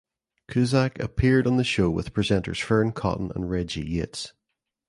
Cusack appeared on the show with presenters Fearne Cotton and Reggie Yates.